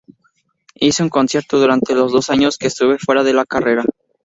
Hice un concierto durante los dos años que estuve fuera de la carretera.